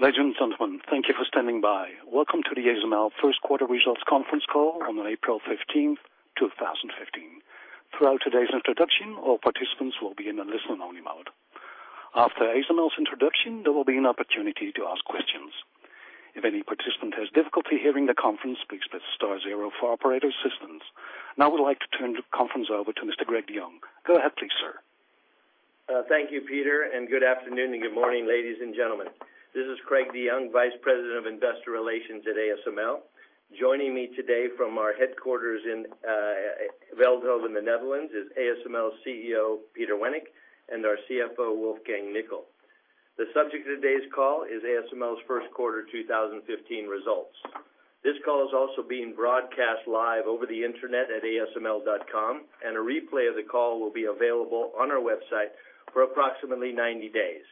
Ladies and gentlemen, thank you for standing by. Welcome to the ASML first quarter results conference call on April 15th, 2015. Throughout today's introduction, all participants will be in a listen-only mode. After ASML's introduction, there will be an opportunity to ask questions. If any participant has difficulty hearing the conference, please press star zero for operator assistance. Now I would like to turn the conference over to Mr. Craig DeYoung. Go ahead, please, sir. Thank you, Peter. Good afternoon and good morning, ladies and gentlemen. This is Craig DeYoung, Vice President of Investor Relations at ASML. Joining me today from our headquarters in Veldhoven, the Netherlands, is ASML CEO, Peter Wennink, and our CFO, Wolfgang Nickl. The subject of today's call is ASML's first quarter 2015 results. This call is also being broadcast live over the internet at asml.com. A replay of the call will be available on our website for approximately 90 days.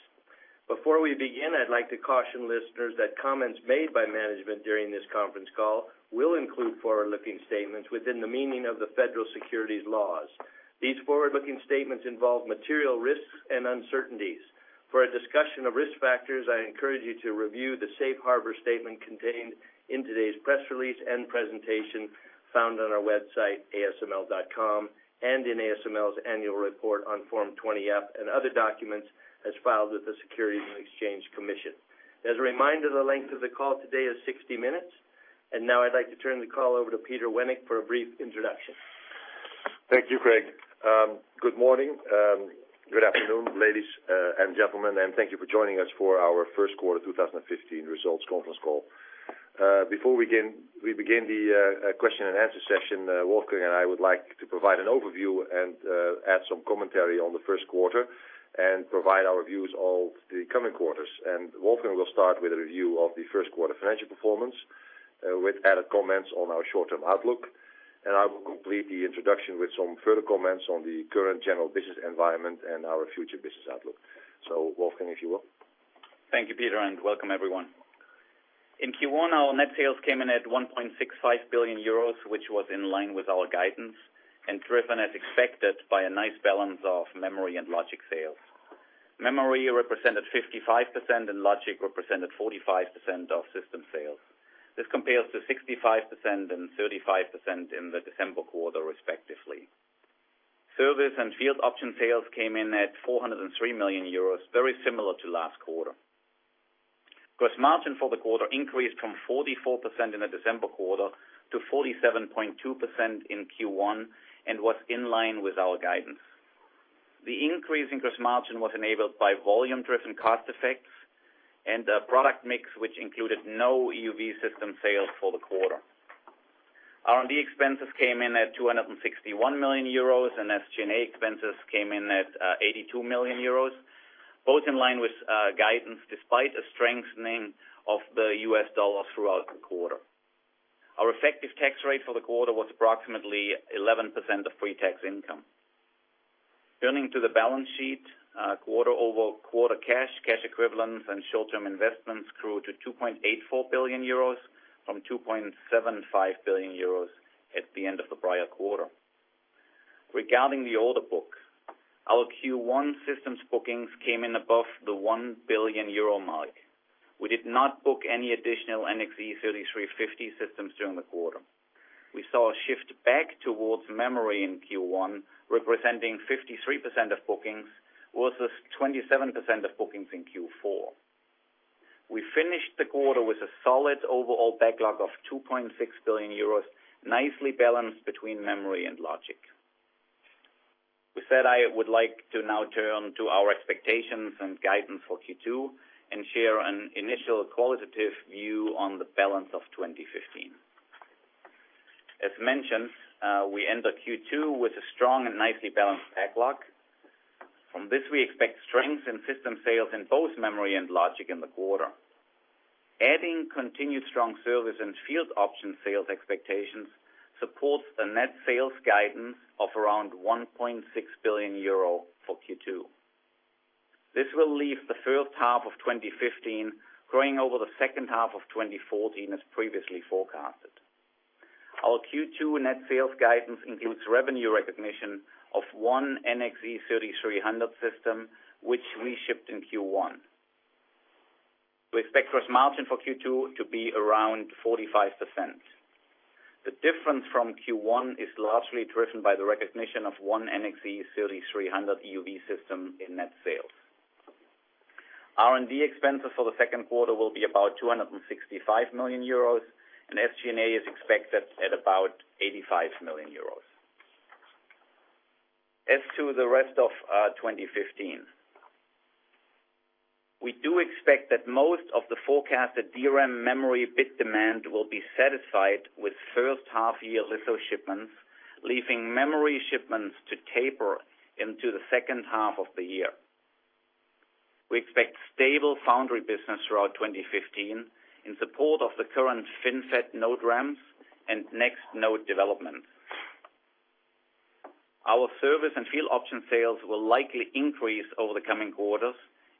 Before we begin, I'd like to caution listeners that comments made by management during this conference call will include forward-looking statements within the meaning of the federal securities laws. For a discussion of risk factors, I encourage you to review the safe harbor statement contained in today's press release and presentation found on our website, asml.com, and in ASML's annual report on Form 20-F and other documents as filed with the Securities and Exchange Commission. As a reminder, the length of the call today is 60 minutes. Now I'd like to turn the call over to Peter Wennink for a brief introduction. Thank you, Craig. Good morning, good afternoon, ladies and gentlemen. Thank you for joining us for our first quarter 2015 results conference call. Before we begin the question and answer session, Wolfgang and I would like to provide an overview and add some commentary on the first quarter and provide our views of the coming quarters. Wolfgang will start with a review of the first quarter financial performance with added comments on our short-term outlook. I will complete the introduction with some further comments on the current general business environment and our future business outlook. Wolfgang, if you will. Thank you, Peter, and welcome everyone. In Q1, our net sales came in at 1.65 billion euros, which was in line with our guidance, and driven as expected by a nice balance of memory and logic sales. Memory represented 55% and logic represented 45% of system sales. This compares to 65% and 35% in the December quarter, respectively. Service and field option sales came in at 403 million euros, very similar to last quarter. Gross margin for the quarter increased from 44% in the December quarter to 47.2% in Q1 and was in line with our guidance. The increase in gross margin was enabled by volume-driven cost effects and a product mix which included no EUV system sales for the quarter. R&D expenses came in at 261 million euros, and SG&A expenses came in at 82 million euros. Both in line with guidance, despite a strengthening of the US dollar throughout the quarter. Our effective tax rate for the quarter was approximately 11% of free tax income. Turning to the balance sheet. Quarter-over-quarter cash equivalents, and short-term investments grew to 2.84 billion euros from 2.75 billion euros at the end of the prior quarter. Regarding the order book, our Q1 systems bookings came in above the 1 billion euro mark. We did not book any additional NXE:3350 systems during the quarter. We saw a shift back towards memory in Q1, representing 53% of bookings versus 27% of bookings in Q4. We finished the quarter with a solid overall backlog of 2.6 billion euros, nicely balanced between memory and logic. With that, I would like to now turn to our expectations and guidance for Q2 and share an initial qualitative view on the balance of 2015. As mentioned, we end the Q2 with a strong and nicely balanced backlog. From this, we expect strength in system sales in both memory and logic in the quarter. Adding continued strong service and field option sales expectations supports the net sales guidance of around 1.6 billion euro for Q2. This will leave the first half of 2015 growing over the second half of 2014 as previously forecasted. Our Q2 net sales guidance includes revenue recognition of one NXE:3300 system, which we shipped in Q1. We expect gross margin for Q2 to be around 45%. The difference from Q1 is largely driven by the recognition of one NXE:3300 EUV system in net sales. R&D expenses for the second quarter will be about 265 million euros, and SG&A is expected at about 85 million euros. As to the rest of 2015, we do expect that most of the forecasted DRAM memory bit demand will be satisfied with first half year litho shipments, leaving memory shipments to taper into the second half of the year. We expect stable foundry business throughout 2015 in support of the current FinFET node ramps and next node development. Our service and field option sales will likely increase over the coming quarters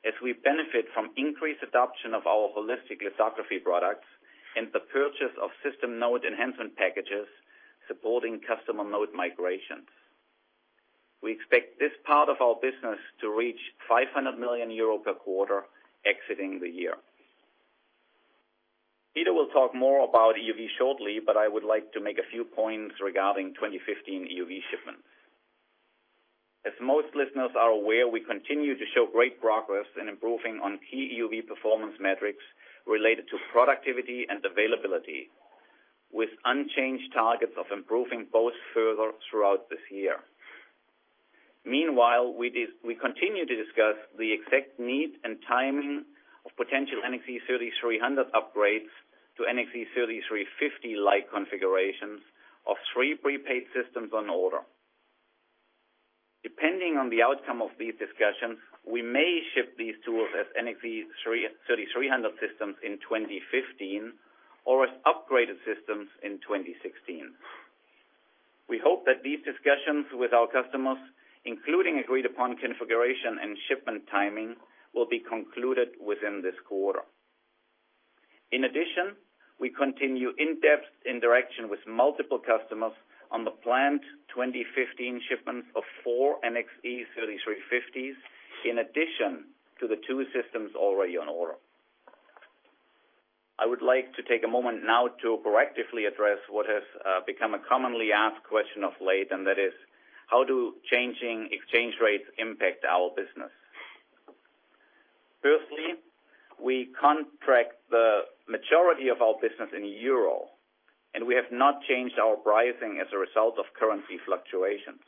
as we benefit from increased adoption of our holistic lithography products. The purchase of system node enhancement packages supporting customer node migrations. We expect this part of our business to reach 500 million euro per quarter exiting the year. Peter will talk more about EUV shortly, but I would like to make a few points regarding 2015 EUV shipments. As most listeners are aware, we continue to show great progress in improving on key EUV performance metrics related to productivity and availability, with unchanged targets of improving both further throughout this year. Meanwhile, we continue to discuss the exact need and timing of potential NXE 3300 upgrades to NXE 3350 light configurations of three prepaid systems on order. Depending on the outcome of these discussions, we may ship these tools as NXE 3300 systems in 2015 or as upgraded systems in 2016. We hope that these discussions with our customers, including agreed-upon configuration and shipment timing, will be concluded within this quarter. In addition, we continue in-depth interaction with multiple customers on the planned 2015 shipments of four NXE 3350s in addition to the two systems already on order. I would like to take a moment now to proactively address what has become a commonly asked question of late. That is: how do changing exchange rates impact our business? Firstly, we contract the majority of our business in euro, we have not changed our pricing as a result of currency fluctuations.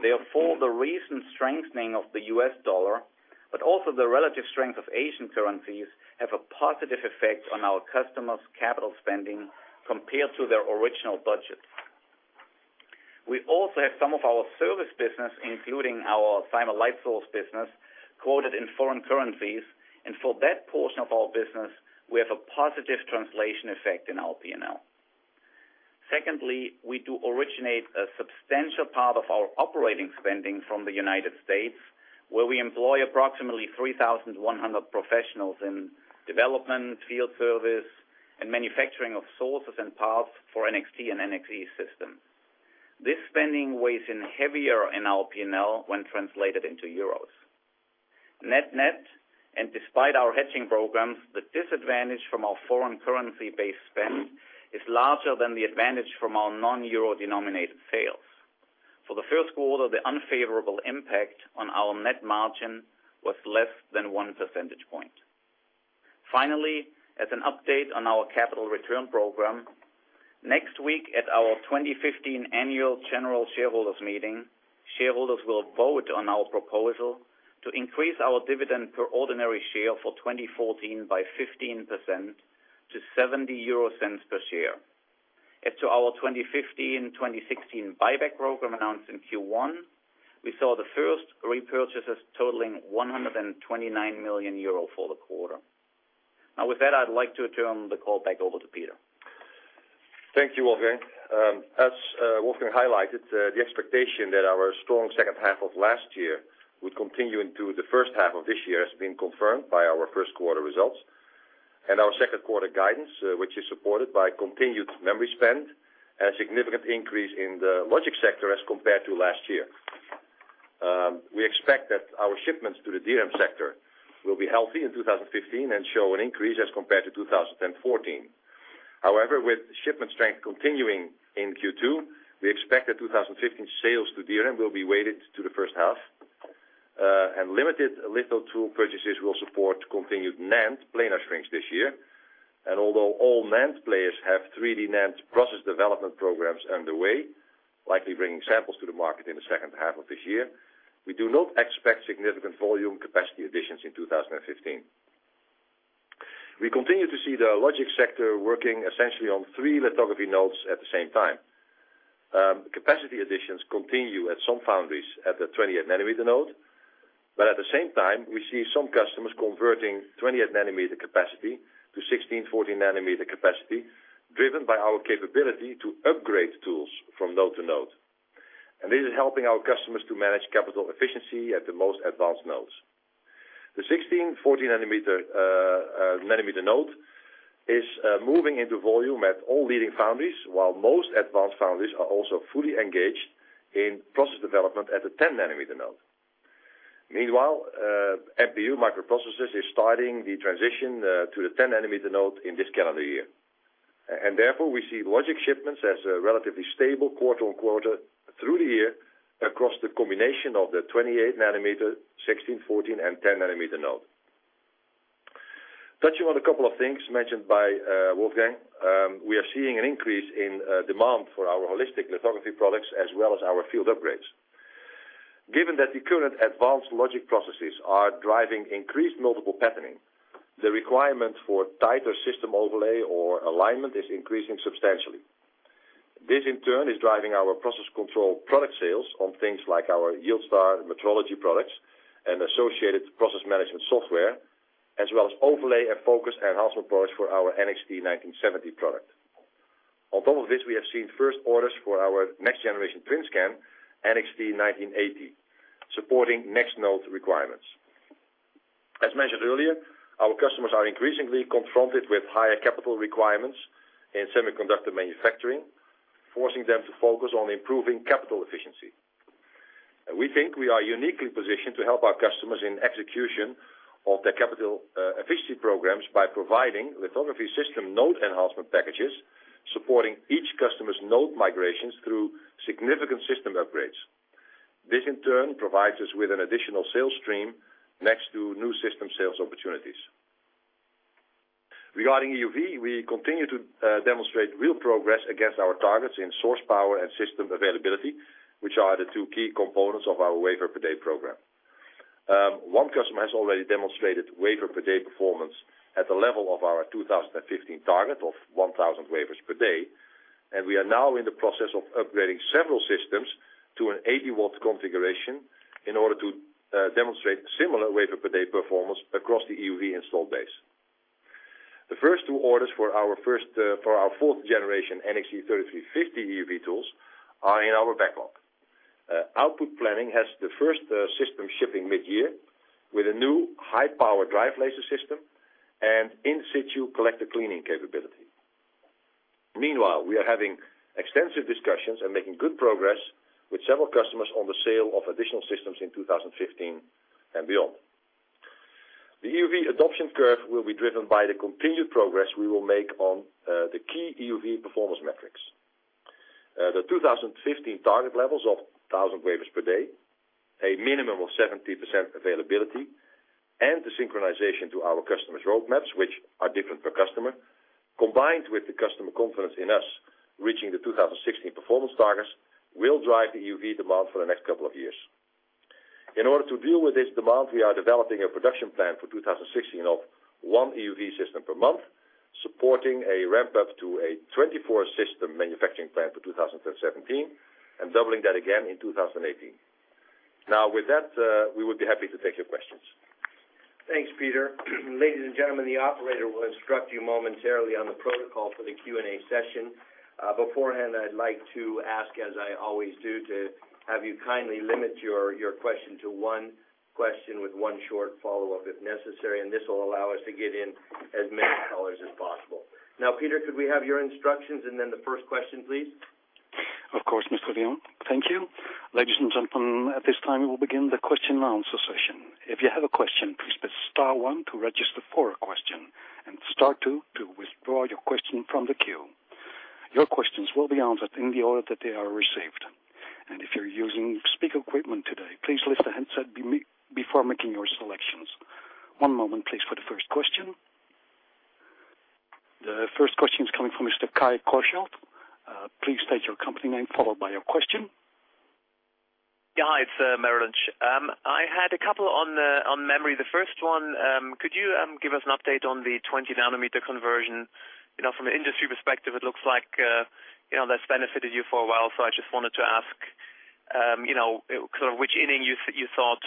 Therefore, the recent strengthening of the US dollar, also the relative strength of Asian currencies, have a positive effect on our customers' capital spending compared to their original budget. We also have some of our service business, including our Cymer light source business, quoted in foreign currencies. For that portion of our business, we have a positive translation effect in our P&L. Secondly, we do originate a substantial part of our operating spending from the U.S., where we employ approximately 3,100 professionals in development, field service, and manufacturing of sources and paths for NXT and NXE systems. This spending weighs in heavier in our P&L when translated into euro. Net-net, despite our hedging programs, the disadvantage from our foreign currency-based spend is larger than the advantage from our non-euro-denominated sales. For the first quarter, the unfavorable impact on our net margin was less than one percentage point. Finally, as an update on our capital return program, next week at our 2015 annual general shareholders meeting, shareholders will vote on our proposal to increase our dividend per ordinary share for 2014 by 15% to 0.70 per share. As to our 2015-2016 buyback program announced in Q1, we saw the first repurchases totaling 129 million euro for the quarter. Now with that, I'd like to turn the call back over to Peter. Thank you, Wolfgang. As Wolfgang highlighted, the expectation that our strong second half of last year would continue into the first half of this year has been confirmed by our first quarter results and our second quarter guidance, which is supported by continued memory spend and a significant increase in the logic sector as compared to last year. We expect that our shipments to the DRAM sector will be healthy in 2015 and show an increase as compared to 2014. However, with shipment strength continuing in Q2, we expect that 2015 sales to DRAM will be weighted to the first half, and limited litho tool purchases will support continued NAND planar strengths this year. Although all NAND players have 3D NAND process development programs underway, likely bringing samples to the market in the second half of this year, we do not expect significant volume capacity additions in 2015. We continue to see the logic sector working essentially on three lithography nodes at the same time. Capacity additions continue at some foundries at the 28 nanometer node. At the same time, we see some customers converting 28 nanometer capacity to 16, 14 nanometer capacity, driven by our capability to upgrade tools from node to node. This is helping our customers to manage capital efficiency at the most advanced nodes. The 16, 14 nanometer node is moving into volume at all leading foundries, while most advanced foundries are also fully engaged in process development at the 10 nanometer node. Meanwhile, MPU microprocessors is starting the transition to the 10 nanometer node in this calendar year. Therefore, we see logic shipments as relatively stable quarter-on-quarter through the year across the combination of the 28 nanometer, 16, 14, and 10 nanometer node. Touching on a couple of things mentioned by Wolfgang, we are seeing an increase in demand for our holistic lithography products as well as our field upgrades. Given that the current advanced logic processes are driving increased multiple patterning, the requirement for tighter system overlay or alignment is increasing substantially. This, in turn, is driving our process control product sales on things like our YieldStar metrology products and associated process management software, as well as overlay and focus enhancement products for our NXT 1970 product. On top of this, we have seen first orders for our next-generation TWINSCAN NXT1980, supporting next node requirements. As mentioned earlier, our customers are increasingly confronted with higher capital requirements in semiconductor manufacturing, forcing them to focus on improving capital efficiency. We think we are uniquely positioned to help our customers in execution of their capital efficiency programs by providing lithography system node enhancement packages, supporting each customer's node migrations through significant system upgrades. This, in turn, provides us with an additional sales stream next to new system sales opportunities. Regarding EUV, we continue to demonstrate real progress against our targets in source power and system availability, which are the two key components of our wafer per day program. One customer has already demonstrated wafer per day performance at the level of our 2015 target of 1,000 wafers per day. We are now in the process of upgrading several systems to an 80-watt configuration in order to demonstrate similar wafer per day performance across the EUV install base. The first two orders for our fourth generation NXE:3350 EUV tools are in our backlog. Output planning has the first system shipping mid-year with a new high-power drive laser system and in-situ collector cleaning capability. Meanwhile, we are having extensive discussions and making good progress with several customers on the sale of additional systems in 2015 and beyond. The EUV adoption curve will be driven by the continued progress we will make on the key EUV performance metrics. The 2015 target levels of 1,000 wafers per day, a minimum of 70% availability, and the synchronization to our customers' roadmaps, which are different per customer, combined with the customer confidence in us reaching the 2016 performance targets, will drive the EUV demand for the next couple of years. In order to deal with this demand, we are developing a production plan for 2016 of one EUV system per month, supporting a ramp-up to a 24-system manufacturing plant for 2017 and doubling that again in 2018. With that, we would be happy to take your questions. Thanks, Peter. Ladies and gentlemen, the operator will instruct you momentarily on the protocol for the Q&A session. Beforehand, I'd like to ask, as I always do, to have you kindly limit your question to one question with one short follow-up if necessary. This will allow us to get in as many callers as possible. Peter, could we have your instructions and then the first question, please? Of course, Mr. Craig DeYoung. Thank you. Ladies and gentlemen, at this time, we will begin the question and answer session. If you have a question, please press star one to register for a question and star two to withdraw your question from the queue. Your questions will be answered in the order that they are received. If you're using speaker equipment today, please lift the handset before making your selections. One moment, please, for the first question. The first question is coming from Mr. Kai Korschelt. Please state your company name followed by your question. Yeah, hi, it's Merrill Lynch. I had a couple on memory. The first one, could you give us an update on the 20 nanometer conversion? From an industry perspective, it looks like that's benefited you for a while. I just wanted to ask, sort of which inning you thought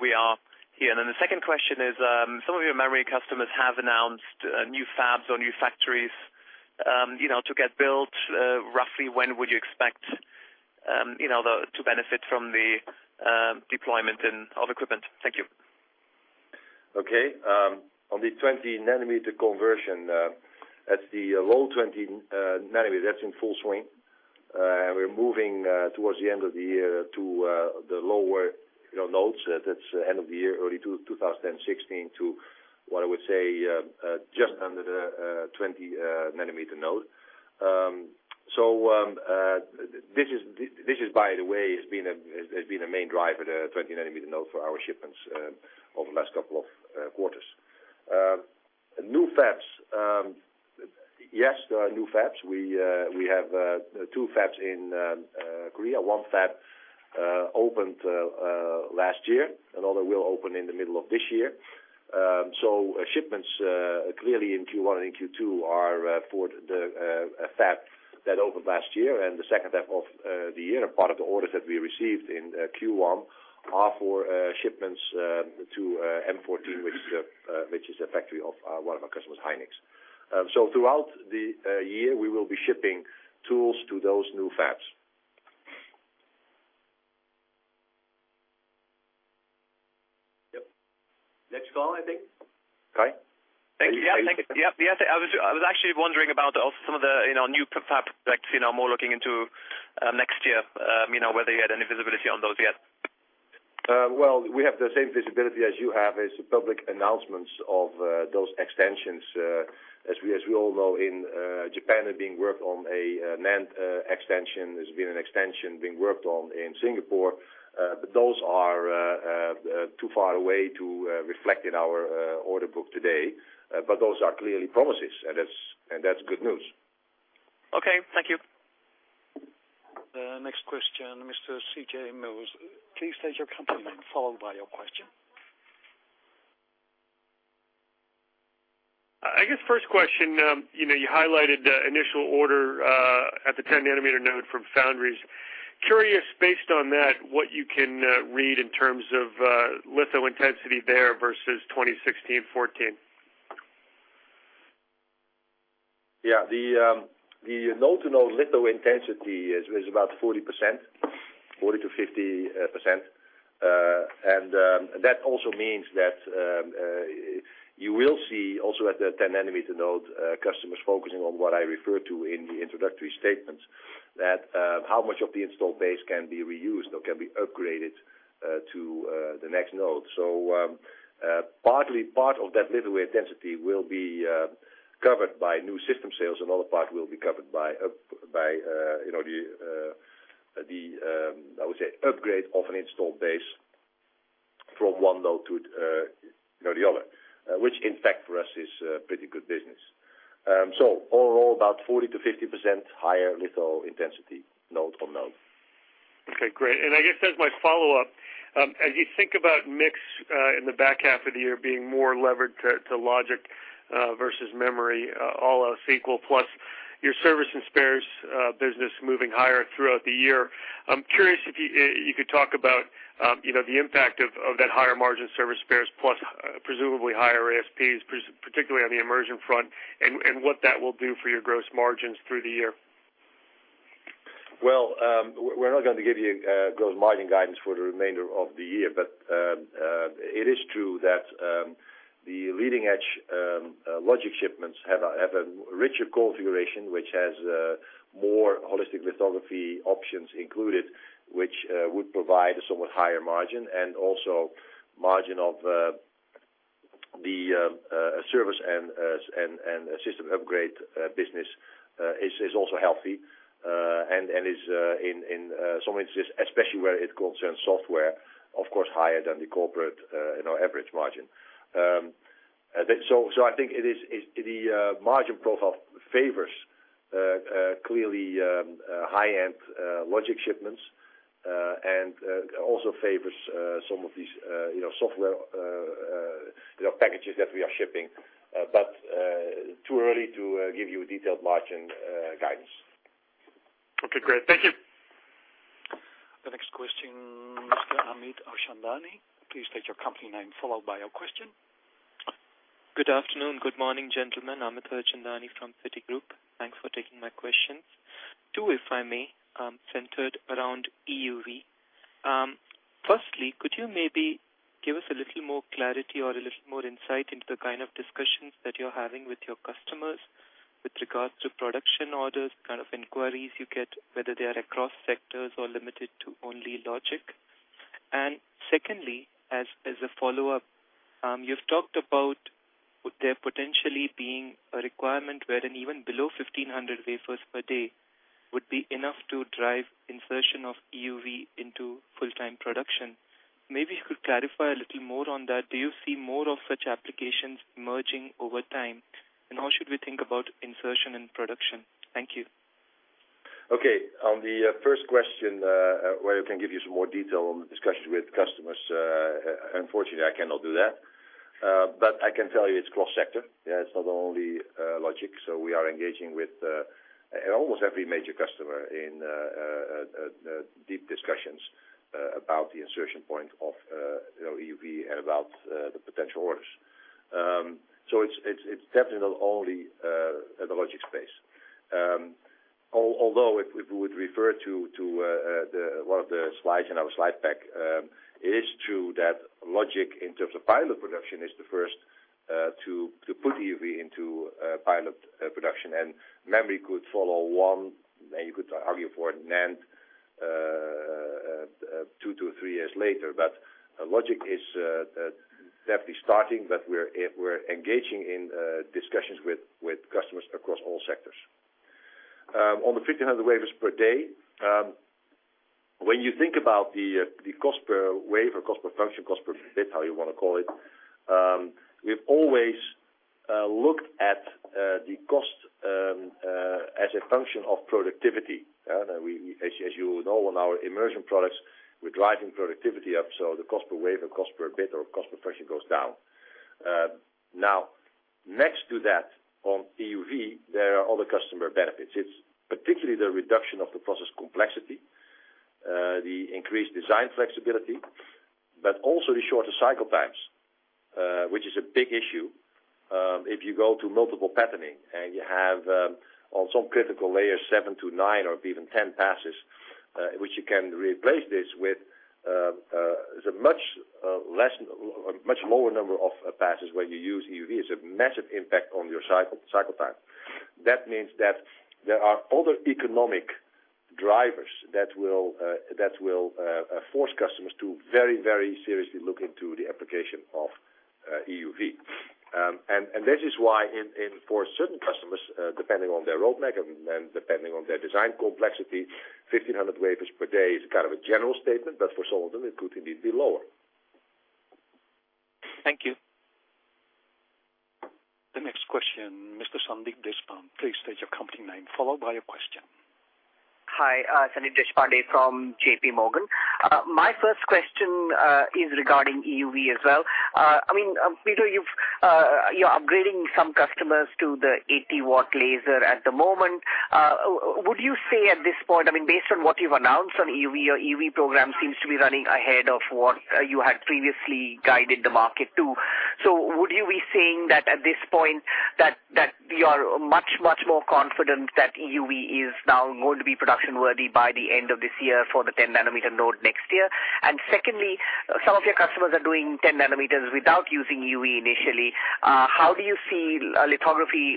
we are here. The second question is, some of your memory customers have announced new fabs or new factories to get built. Roughly, when would you expect to benefit from the deployment of equipment? Thank you. Okay. On the 20 nanometer conversion, that's the low 20 nanometer. That's in full swing. We're moving towards the end of the year to the lower nodes. That's end of the year early 2016 to, what I would say, just under the 20 nanometer node. This, by the way, has been a main driver, the 20 nanometer node for our shipments over the last couple of quarters. New fabs. Yes, there are new fabs. We have two fabs in Korea. One fab opened last year. Another will open in the middle of this year. Shipments clearly in Q1 and Q2 are for the fab that opened last year and the second fab of the year. Part of the orders that we received in Q1 are for shipments to M14, which is a factory of one of our customers, Hynix. Throughout the year, we will be shipping tools to those new fabs. Yep. Next call, I think. Kai? Thank you. Yeah. I was actually wondering about some of the new fab products, more looking into next year, whether you had any visibility on those yet. Well, we have the same visibility as you have as public announcements of those extensions. As we all know, in Japan are being worked on a NAND extension. There's been an extension being worked on in Singapore. Those are too far away to reflect in our order book today. Those are clearly promises, and that's good news. Okay. Thank you. The next question, Mr. C.J. Muse. Please state your company name followed by your question. I guess first question, you highlighted the initial order at the 10 nanometer node from foundries. Curious, based on that, what you can read in terms of litho intensity there versus 2016, 2014? Yeah. The node-to-node litho intensity is about 40%, 40%-50%. That also means that you will see also at the 10 nanometer node, customers focusing on what I referred to in the introductory statements, that how much of the installed base can be reused or can be upgraded to the next node. Partly part of that litho intensity will be covered by new system sales, another part will be covered by the, I would say, upgrade of an installed base from one node to the other, which in fact for us is pretty good business. Overall, about 40%-50% higher litho intensity, node on node. Okay, great. I guess that's my follow-up. As you think about mix in the back half of the year being more levered to logic versus memory, all else equal, plus your service and spares business moving higher throughout the year, I'm curious if you could talk about the impact of that higher margin service spares plus presumably higher ASPs, particularly on the immersion front, and what that will do for your gross margins through the year. Well, we're not going to give you gross margin guidance for the remainder of the year. It is true that the leading-edge logic shipments have a richer configuration, which has more holistic lithography options included, which would provide a somewhat higher margin, and also margin of the service and system upgrade business is also healthy and is in some instances, especially where it concerns software, of course higher than the corporate average margin. I think the margin profile favors clearly high-end logic shipments, and also favors some of these software packages that we are shipping. Too early to give you detailed margin guidance. Okay, great. Thank you. The next question, Mr. Amit Harchandani. Please state your company name followed by your question. Good afternoon. Good morning, gentlemen. Amit Harchandani from Citigroup. Thanks for taking my questions. Two, if I may, centered around EUV. Firstly, could you maybe give us a little more clarity or a little more insight into the kind of discussions that you're having with your customers with regards to production orders, kind of inquiries you get, whether they are across sectors or limited to only logic? Secondly, as a follow-up, you've talked about there potentially being a requirement wherein even below 1,500 wafers per day would be enough to drive insertion of EUV into full-time production. Maybe you could clarify a little more on that. Do you see more of such applications merging over time? How should we think about insertion and production? Thank you. Okay. On the first question, where I can give you some more detail on the discussions with customers, unfortunately I cannot do that. I can tell you it's cross-sector. It's not only logic. We are engaging with almost every major customer in deep discussions about the insertion point of EUV and about the potential orders. It's definitely not only the logic space. Although, if we would refer to one of the slides in our slide pack, it is true that logic in terms of pilot production is the first to put EUV into pilot production, and memory could follow one, and you could argue for NAND two to three years later. Logic is definitely starting, but we're engaging in discussions with customers across all sectors. On the 1,500 wafers per day, when you think about the cost per wafer, cost per function, cost per bit, how you want to call it, we've always looked at the cost as a function of productivity. As you would know, on our immersion products, we're driving productivity up, so the cost per wafer, cost per bit, or cost per function goes down. Next to that, on EUV, there are other customer benefits. It's particularly the reduction of the process complexity, the increased design flexibility, the shorter cycle times, which is a big issue if you go to multiple patterning and you have on some critical layers seven to nine or even 10 passes, which you can replace this with a much lower number of passes when you use EUV. It's a massive impact on your cycle time. That means that there are other economic drivers that will force customers to very seriously look into the application of EUV. This is why for certain customers, depending on their roadmap and depending on their design complexity, 1,500 wafers per day is kind of a general statement, but for some of them, it could indeed be lower. Thank you. Next question, Mr. Sandeep Deshpande. Please state your company name, followed by your question. Hi. Sandeep Deshpande from J.P. Morgan. My first question is regarding EUV as well. Peter, you're upgrading some customers to the 80-watt laser at the moment. Would you say at this point, based on what you've announced on EUV, your EUV program seems to be running ahead of what you had previously guided the market to. Would you be saying that at this point that you are much, much more confident that EUV is now going to be production-worthy by the end of this year for the 10 nanometer node next year? Secondly, some of your customers are doing 10 nanometers without using EUV initially. How do you see lithography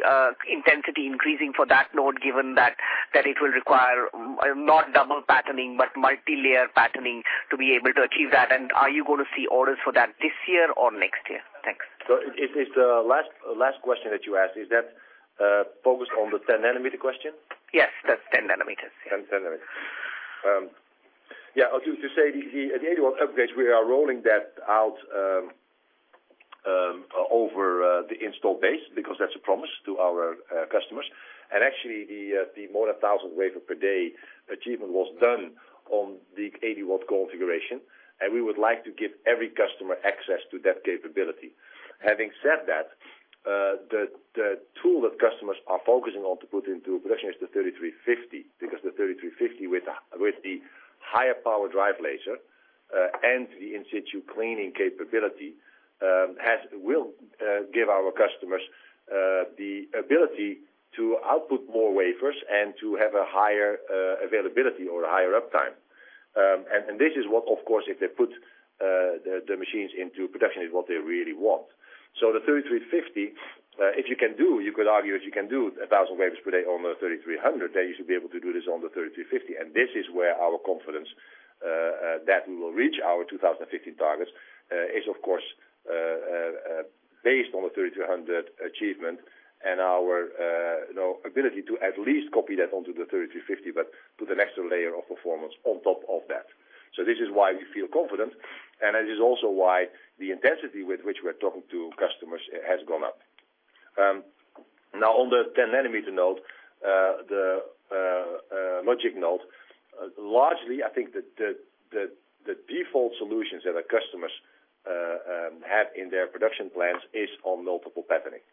intensity increasing for that node, given that it will require not double patterning, but multi-layer patterning to be able to achieve that? Are you going to see orders for that this year or next year? Thanks. The last question that you asked, is that focused on the 10 nanometer question? Yes, the 10 nanometers. 10 nanometers. Yeah. To say the 80-watt upgrades, we are rolling that out over the install base because that's a promise to our customers. Actually, the more than 1,000 wafer per day achievement was done on the 80-watt configuration, and we would like to give every customer access to that capability. Having said that, the tool that customers are focusing on to put into production is the 3350, because the 3350 with the higher power drive laser and the in-situ cleaning capability will give our customers the ability to output more wafers and to have a higher availability or a higher uptime. This is what, of course, if they put the machines into production, is what they really want. The NXE:3350B, if you can do 1,000 wafers per day on the NXE:3300B, you should be able to do this on the NXE:3350B. This is where our confidence that we will reach our 2015 targets is, of course, based on the NXE:3300B achievement and our ability to at least copy that onto the NXE:3350B, but to the next layer of performance on top of that. This is why we feel confident, and it is also why the intensity with which we're talking to customers has gone up. On the 10 nanometer node, the logic node, largely, I think the default solutions that our customers have in their production plans is on multiple patterning.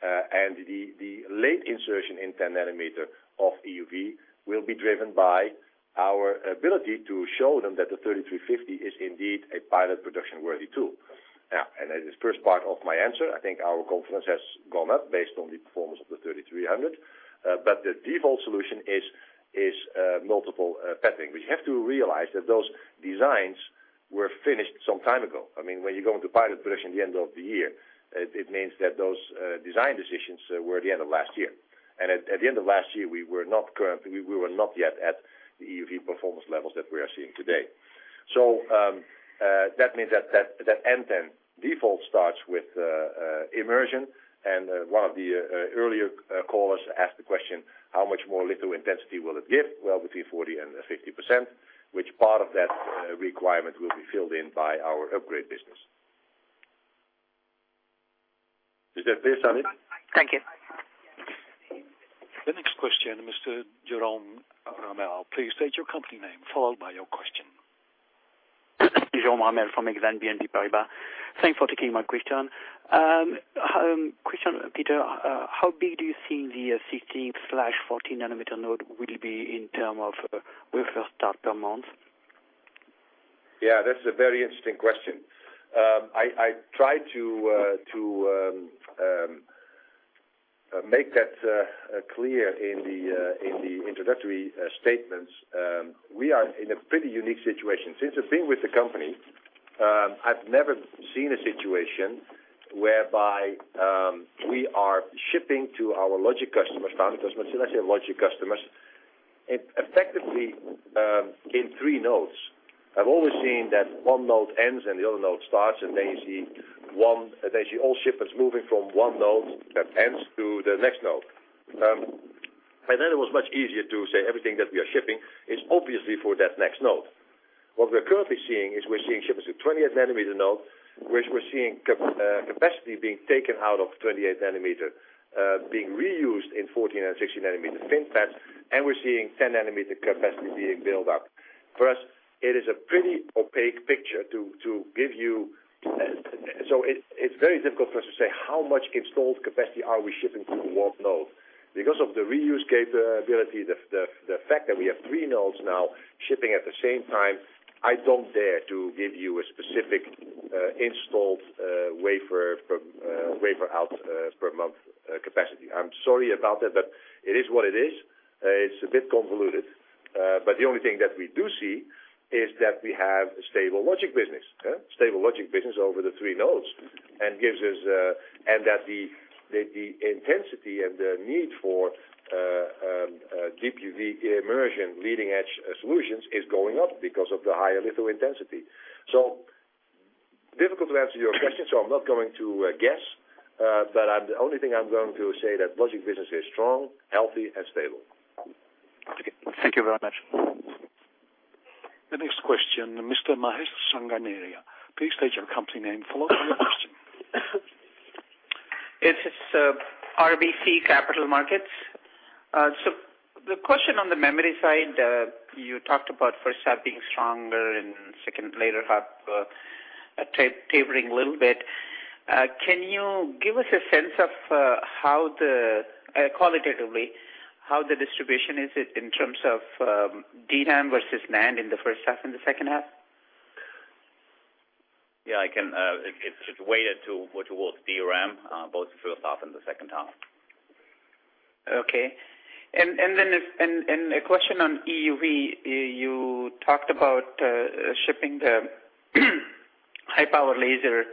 The late insertion in 10 nanometer of EUV will be driven by our ability to show them that the NXE:3350B is indeed a pilot production-worthy tool. The first part of my answer, I think our confidence has gone up based on the performance of the NXE:3300B. The default solution is multiple patterning. We have to realize that those designs were finished some time ago. When you go into pilot production at the end of the year, it means that those design decisions were at the end of last year. At the end of last year, we were not yet at the EUV performance levels that we are seeing today. That means that N10 default starts with immersion, and one of the earlier callers asked the question, how much more litho intensity will it give? Between 40% and 50%, which part of that requirement will be filled in by our upgrade business. Is that clear, Sandeep? Thank you. The next question, Mr. Jerome Ramel. Please state your company name, followed by your question. Jerome Ramel from Exane BNP Paribas. Thanks for taking my question. Question, Peter, how big do you see the 16/14 nanometer node will be in term of wafer start per month? Yeah, that's a very interesting question. I tried to make that clear in the introductory statements. We are in a pretty unique situation. Since I've been with the company, I've never seen a situation whereby we are shipping to our logic customers, foundries, but still I say logic customers, effectively in three nodes. I've always seen that one node ends and the other node starts. You see all shipments moving from one node that ends to the next node. It was much easier to say everything that we are shipping is obviously for that next node. What we're currently seeing is we're seeing shipments of 28 nanometer node, which we're seeing capacity being taken out of 28 nanometer being reused in 14 and 16 nanometer FinFET, and we're seeing 10 nanometer capacity being built up. For us, it is a pretty opaque picture to give you. It's very difficult for us to say how much installed capacity are we shipping to what node. Because of the reuse capability, the fact that we have three nodes now shipping at the same time, I don't dare to give you a specific installed wafer out per month capacity. I'm sorry about that, but it is what it is. It's a bit convoluted. The only thing that we do see is that we have a stable logic business over the three nodes, and that the intensity and the need for deep UV immersion leading edge solutions is going up because of the higher litho intensity. Difficult to answer your question, so I'm not going to guess. The only thing I'm going to say that logic business is strong, healthy, and stable. Okay. Thank you very much. The next question, Mr. Mahesh Sanganeria. Please state your company name followed by your question. This is RBC Capital Markets. The question on the memory side, you talked about first half being stronger and second later half tapering a little bit. Can you give us a sense of, qualitatively, how the distribution is in terms of DRAM versus NAND in the first half and the second half? Yeah, it's weighted towards DRAM, both the first half and the second half. Okay. A question on EUV. You talked about shipping the high-power laser.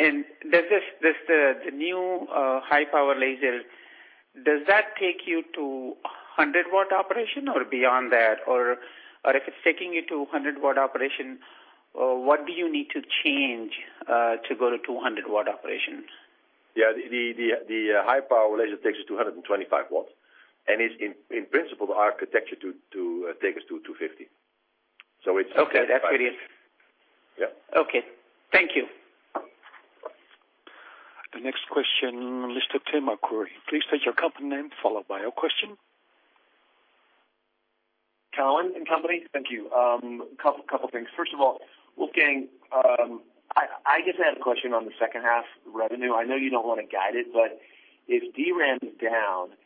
Does the new high-power laser, does that take you to 100-watt operation or beyond that? Or if it's taking you to 100-watt operation, what do you need to change to go to 200-watt operations? Yeah, the high-power laser takes you to 125 watts. It's in principle the architecture to take us to 250. It's. Okay. That's very. Yeah. Okay. Thank you. The next question, Mr. Timothy Arcuri. Please state your company name followed by your question. Cowen and Company. Thank you. Couple things. First of all, Wolfgang, I just have a question on the second half revenue. I know you don't want to guide it, but if DRAM is down,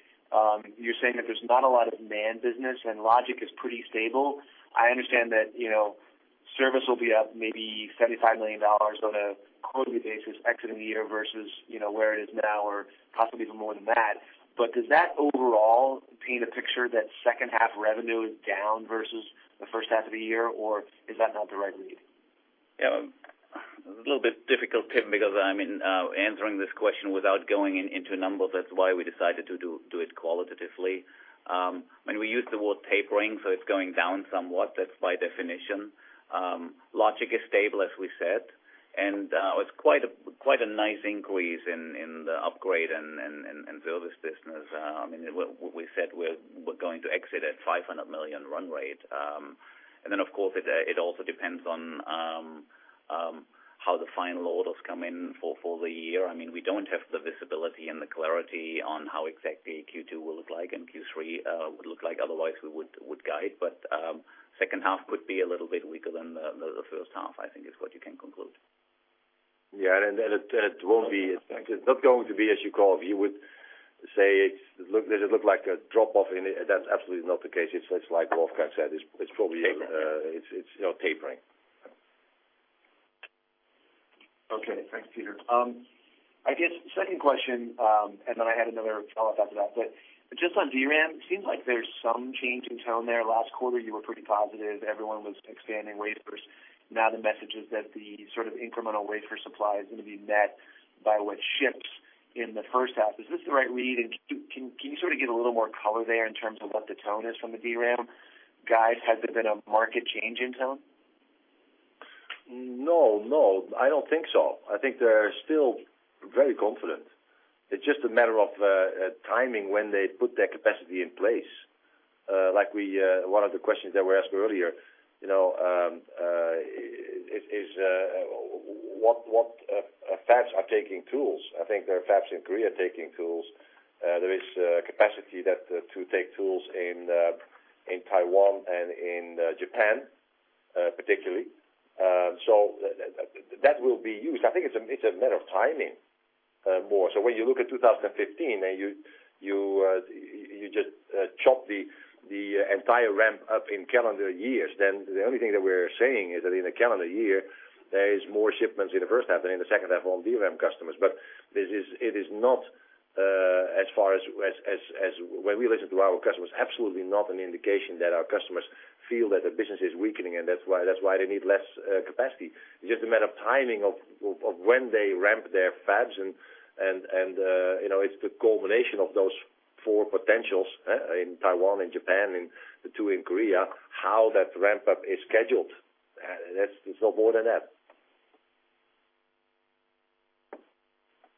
you're saying that there's not a lot of NAND business, and logic is pretty stable. I understand that service will be up maybe EUR 75 million on a quarterly basis exiting the year versus where it is now, or possibly even more than that. Does that overall paint a picture that second half revenue is down versus the first half of the year, or is that not the right read? Yeah. A little bit difficult, Tim, because I'm answering this question without going into numbers. That's why we decided to do it qualitatively. When we use the word tapering, so it's going down somewhat, that's by definition. Logic is stable, as we said, and it's quite a nice increase in the upgrade and service business. We said we're going to exit at 500 million run rate. Of course, it also depends on how the final orders come in for the year. We don't have the visibility and the clarity on how exactly Q2 will look like and Q3 would look like. Otherwise, we would guide. Second half could be a little bit weaker than the first half, I think, is what you can conclude. Yeah, it won't be. It's not going to be, as you would say, does it look like a drop-off? That's absolutely not the case. It's like Wolfgang said. Tapering It's tapering. Okay. Thanks, Peter. I guess second question, I had another follow-up after that, just on DRAM, it seems like there's some change in tone there. Last quarter, you were pretty positive. Everyone was expanding wafers. Now the message is that the sort of incremental wafer supply is going to be met by what ships in the first half. Is this the right read? Can you sort of give a little more color there in terms of what the tone is from the DRAM guys? Has there been a market change in tone? No, I don't think so. I think they're still very confident. It's just a matter of timing when they put their capacity in place. Like one of the questions that were asked earlier, is what fabs are taking tools? I think there are fabs in Korea taking tools. There is capacity to take tools in Taiwan and in Japan, particularly. That will be used. I think it's a matter of timing more. When you look at 2015 and you just chop the entire ramp-up in calendar years, the only thing that we're saying is that in a calendar year, there is more shipments in the first half than in the second half on DRAM customers. When we listen to our customers, absolutely not an indication that our customers feel that the business is weakening, and that's why they need less capacity. It's just a matter of timing of when they ramp their fabs, and it's the culmination of those four potentials in Taiwan and Japan and the two in Korea, how that ramp-up is scheduled. It's no more than that.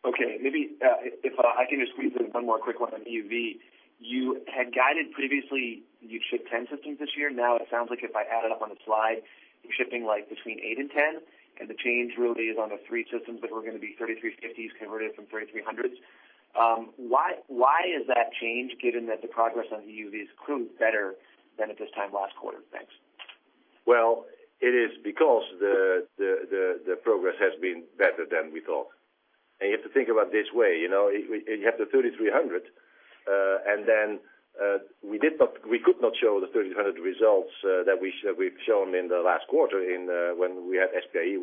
Okay. Maybe if I can just squeeze in one more quick one on EUV. You had guided previously you'd ship 10 systems this year. Now it sounds like if I add it up on the slide, you're shipping like between eight and 10, and the change really is on the three systems that were going to be 3350s converted from 3300s. Why is that change given that the progress on EUV is clearly better than at this time last quarter? Thanks. Well, it is because the progress has been better than we thought, you have to think about it this way. You have the 3300, then we could not show the 3300 results that we've shown in the last quarter when we had SPIE.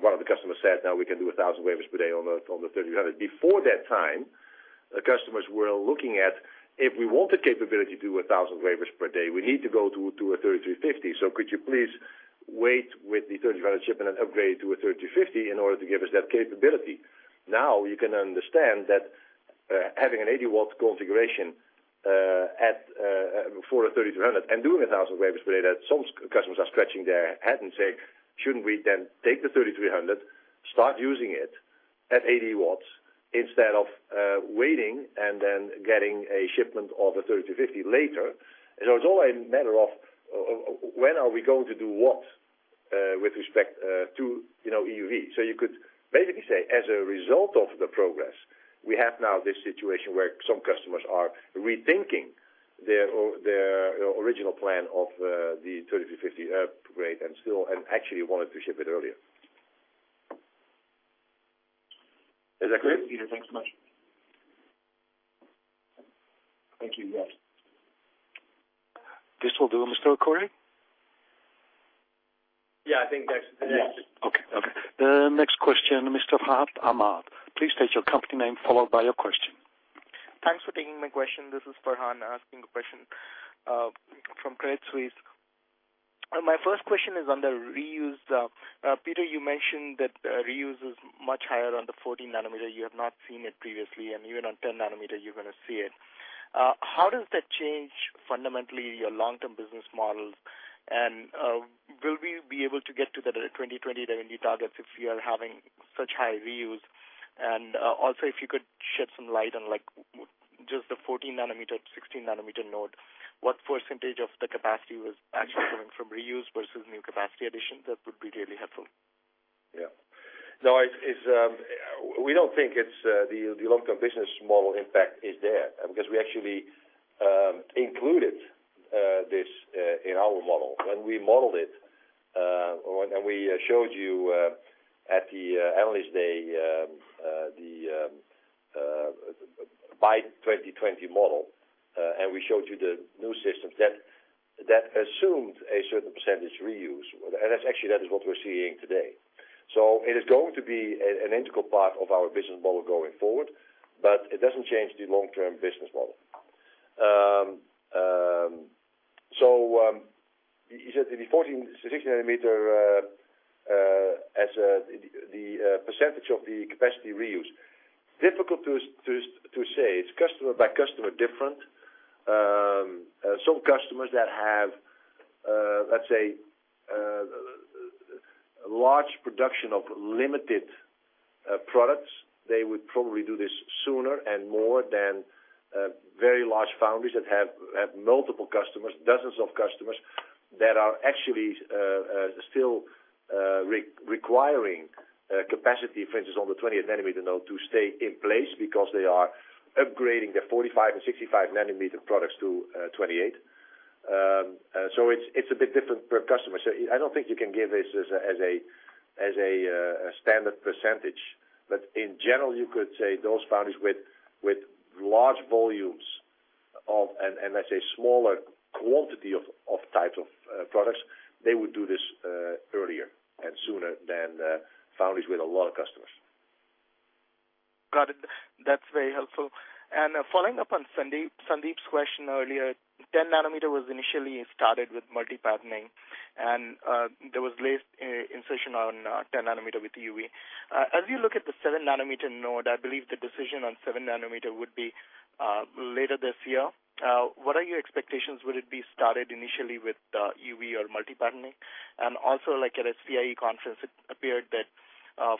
One of the customers said, "Now we can do 1,000 wafers per day on the 3300." Before that time, customers were looking at, if we want the capability to do 1,000 wafers per day, we need to go to a 3350. Could you please wait with the 3300 shipment and upgrade to a 3350 in order to give us that capability? Now you can understand that having an 80-watt configuration for a 3300 and doing 1,000 wafers per day, that some customers are scratching their head and saying, "Shouldn't we then take the 3300, start using it?" At 80 watts instead of waiting and then getting a shipment of the 3350 later. It's all a matter of when are we going to do what with respect to EUV. You could basically say, as a result of the progress, we have now this situation where some customers are rethinking their original plan of the 3350 upgrade and actually wanted to ship it earlier. Is that clear? Peter, thanks so much. Thank you. Yes. This will do, Mr. Acuri? Yeah, I think that's. Yes. Okay. The next question, Mr. Farhan Ahmad. Please state your company name followed by your question. Thanks for taking my question. This is Farhan asking the question from Credit Suisse. My first question is on the reuse. Peter, you mentioned that reuse is much higher on the 14 nanometer. You have not seen it previously, and even on 10 nanometer you're going to see it. Will we be able to get to the 2020 revenue targets if we are having such high reuse? Also, if you could shed some light on just the 14 nanometer, 16 nanometer node, what % of the capacity was actually coming from reuse versus new capacity addition? That would be really helpful. Yeah. We don't think the long-term business model impact is there because we actually included this in our model. When we modeled it, and we showed you at the Analyst Day, by 2020 model, and we showed you the new systems, that assumed a certain percentage reuse. Actually, that is what we're seeing today. It is going to be an integral part of our business model going forward, but it doesn't change the long-term business model. You said the 14-16 nanometer as the percentage of the capacity reuse. Difficult to say. It's customer by customer different. Some customers that have, let's say, a large production of limited products, they would probably do this sooner and more than very large foundries that have multiple customers, dozens of customers that are actually still requiring capacity, for instance, on the 20-nanometer node to stay in place because they are upgrading their 45- and 65-nanometer products to 28. It's a bit different per customer. I don't think you can give this as a standard percentage. In general, you could say those foundries with large volumes of, and let's say, smaller quantity of types of products, they would do this earlier and sooner than foundries with a lot of customers. Got it. That's very helpful. Following up on Sandeep's question earlier, 10 nanometer was initially started with multiple patterning, and there was late insertion on 10 nanometer with EUV. As you look at the seven-nanometer node, I believe the decision on seven nanometer would be later this year. What are your expectations? Would it be started initially with EUV or multiple patterning? Also, like at SPIE conference, it appeared that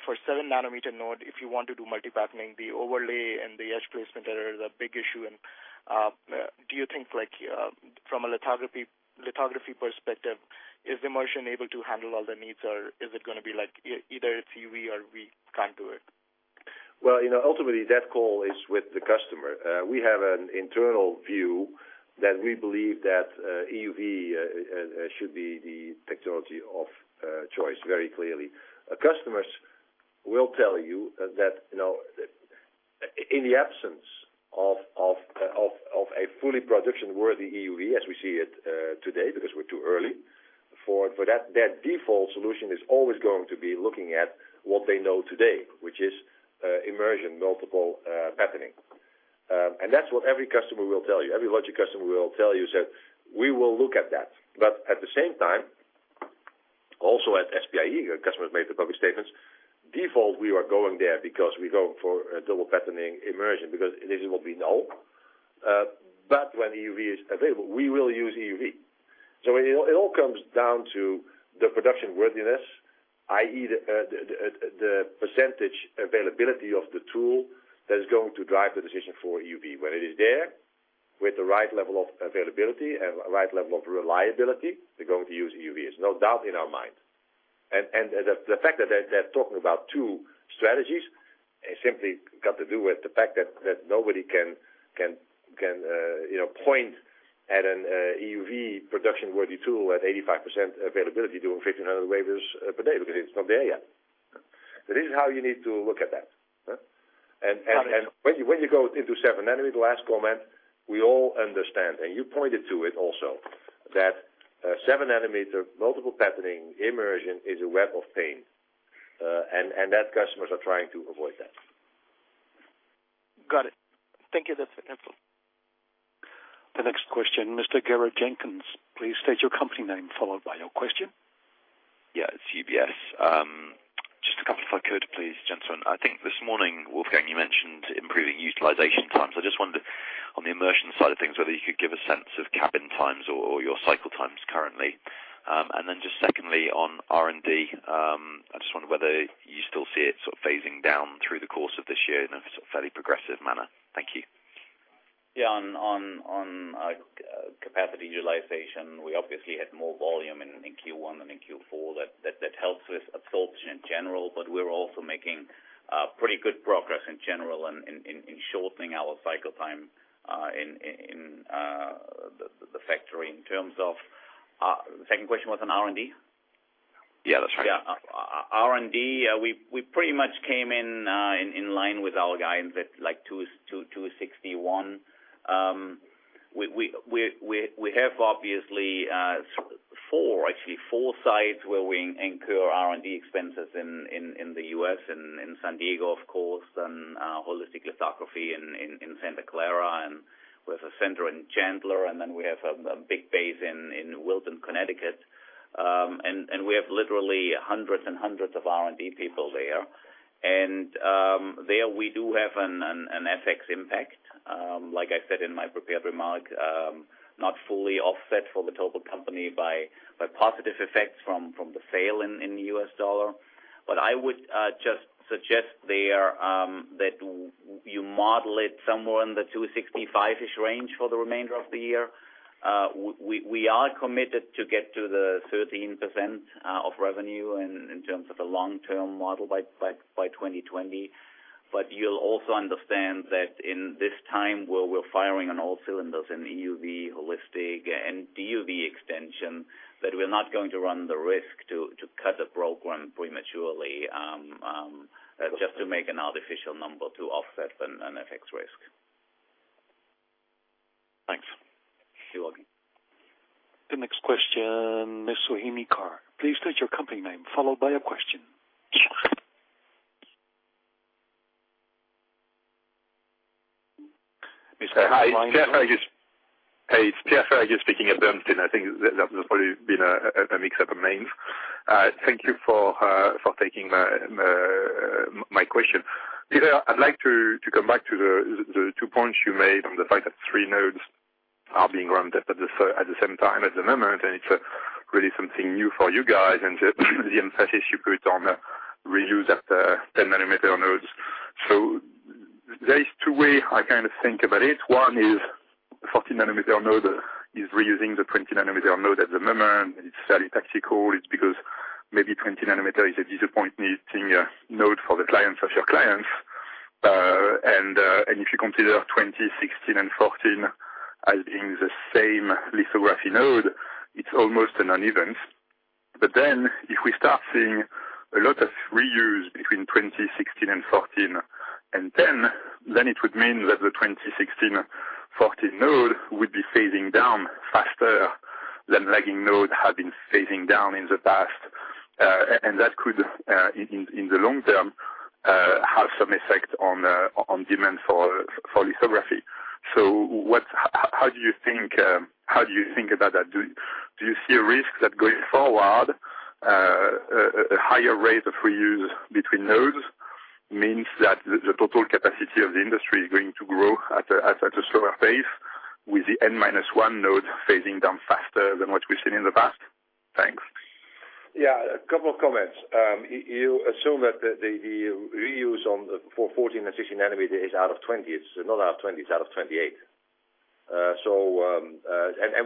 for seven-nanometer node, if you want to do multiple patterning, the overlay and the edge placement are a big issue. Do you think from a lithography perspective, is immersion able to handle all the needs, or is it going to be like either it's EUV or we can't do it? Well, ultimately, that call is with the customer. We have an internal view that we believe that EUV should be the technology of choice very clearly. Customers will tell you that in the absence of a fully production-worthy EUV as we see it today because we're too early for it, that default solution is always going to be looking at what they know today, which is immersion, multiple patterning. That's what every customer will tell you. Every logic customer will tell you, say, "We will look at that." At the same time, also at SPIE, customers made the public statements, default we are going there because we're going for a double patterning immersion because it is what we know. When EUV is available, we will use EUV. It all comes down to the production worthiness, i.e., the percentage availability of the tool that is going to drive the decision for EUV. When it is there with the right level of availability and right level of reliability, they're going to use EUV. There's no doubt in our mind. The fact that they're talking about two strategies simply got to do with the fact that nobody can point at an EUV production-worthy tool at 85% availability doing 1,500 wafers per day because it's not there yet. This is how you need to look at that. Got it. When you go into seven-nanometer, the last comment, we all understand, and you pointed to it also, that seven-nanometer multiple patterning immersion is a web of pain. That customers are trying to avoid that. Got it. Thank you. That's helpful. The next question, Mr. Gareth Jenkins. Please state your company name followed by your question. Yeah, it's UBS. Just a couple if I could, please, gentlemen. Utilization times. I just wondered on the immersion side of things, whether you could give a sense of cycle times or your cycle times currently. Then just secondly, on R&D, I just wonder whether you still see it sort of phasing down through the course of this year in a sort of fairly progressive manner. Thank you. Yeah. On capacity utilization, we obviously had more volume in Q1 than in Q4 that helps with absorption in general, we're also making pretty good progress in general in shortening our cycle time in the factory. The second question was on R&D? Yeah, that's right. Yeah. R&D, we pretty much came in line with our guidance at like 261. We have obviously four, actually four sites where we incur R&D expenses in the U.S. and in San Diego, of course, and holistic lithography in Santa Clara, and we have a center in Chandler, and then we have a big base in Wilton, Connecticut. We have literally hundreds and hundreds of R&D people there. There we do have an FX impact. I said in my prepared remark, not fully offset for the total company by positive effects from the sale in the U.S. dollar. I would just suggest there that you model it somewhere in the 265-ish range for the remainder of the year. We are committed to get to the 13% of revenue in terms of the long-term model by 2020. You'll also understand that in this time where we're firing on all cylinders in EUV holistic and DUV extension, that we're not going to run the risk to cut a program prematurely, just to make an artificial number to offset an FX risk. Thanks. You're welcome. The next question, Miss C.J. Muse. Please state your company name followed by a question. Hi, it's Pierre Ferragu speaking at Bernstein. I think there's probably been a mix-up of names. Thank you for taking my question. Peter, I'd like to come back to the two points you made on the fact that three nodes are being run at the same time at the moment, it's really something new for you guys and the emphasis you put on reuse at the 10-nanometer nodes. There is two way I kind of think about it. One is the 14-nanometer node is reusing the 20-nanometer node at the moment. It's very tactical. It's because maybe 20-nanometer is a disappointing node for the clients of your clients. If you consider 20, 16, and 14 as being the same lithography node, it's almost a non-event. If we start seeing a lot of reuse between 2016 and 14 and 10, then it would mean that the 2016/14 node would be phasing down faster than lagging node had been phasing down in the past. That could in the long term, have some effect on demand for lithography. How do you think about that? Do you see a risk that going forward, a higher rate of reuse between nodes means that the total capacity of the industry is going to grow at a slower pace with the N-1 node phasing down faster than what we've seen in the past? Thanks. A couple of comments. You assume that the reuse for 14 and 16-nanometer is out of 20. It's not out of 20, it's out of 28.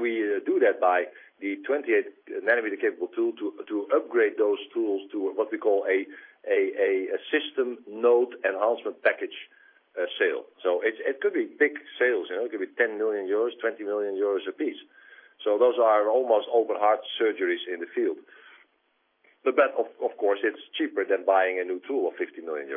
We do that by the 28-nanometer capable tool to upgrade those tools to what we call a system node enhancement package sale. It could be big sales, could be 20 million euros a piece. Those are almost open heart surgeries in the field. That, of course, it's cheaper than buying a new tool of EUR 50 million.